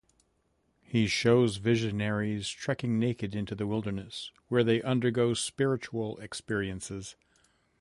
She shows visionaries trekking naked into the wilderness, where they undergo spiritual experiences.